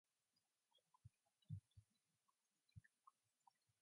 Dobson opposes sex education curricula that are not abstinence-only.